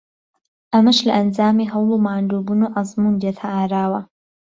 ئەمەش لە ئەنجامی هەوڵ و ماندووبوون و ئەزموون دێتە ئاراوە